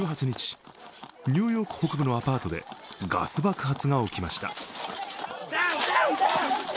１８日、ニューヨーク北部のアパートでガス爆発が起きました。